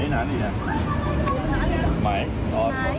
องค์